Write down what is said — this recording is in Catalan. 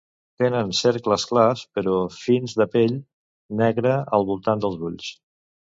Tenen cercles clars però fins de pèl negre al voltant dels ulls.